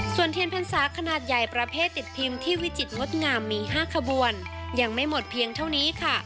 ส่วนเทียนพรรษาขนาดใหญ่ประเภทติดพิมพ์ที่วิจิตรงดงามมี๕ขบวนยังไม่หมดเพียงเท่านี้ค่ะ